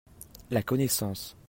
la connaissance.